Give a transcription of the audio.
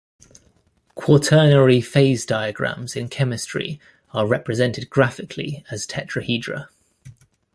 Quaternary phase diagrams in chemistry are represented graphically as tetrahedra.